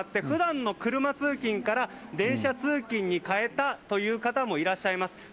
普段の車通勤から電車通勤に変えたという方もいらっしゃいます。